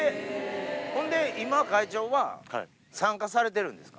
ほんで今、会長は参加されてるんですか？